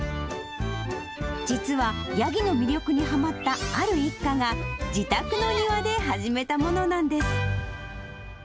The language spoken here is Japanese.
実はヤギの魅力にはまったある一家が、自宅の庭で始めたものなんです。